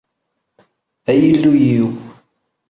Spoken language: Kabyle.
A Illu-iw!